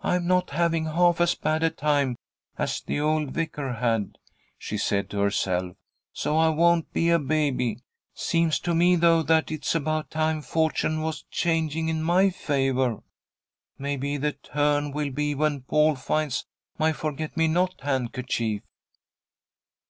"I'm not having half as bad a time as the old vicar had," she said to herself, "so I won't be a baby. Seems to me, though, that it's about time fortune was changing in my favour. Maybe the turn will be when Paul finds my forget me not handkerchief."